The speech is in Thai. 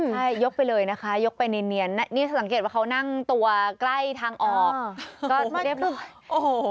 ใช่ยกไปเลยนะคะยกไปเนียนนะนี่สังเกตว่านั่งตัวกล้ายทางออกก็เรียกแบบโอ้โห